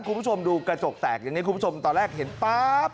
คุณผู้ชมดูกระจกแตกอย่างนี้คุณผู้ชมตอนแรกเห็นป๊าบ